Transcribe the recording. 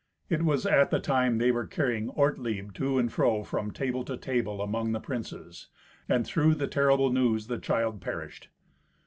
It was at the time they were carrying Ortlieb to and fro from table to table among the princes, and through the terrible news the child perished.